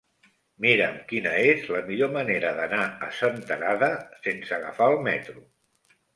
Mira'm quina és la millor manera d'anar a Senterada sense agafar el metro.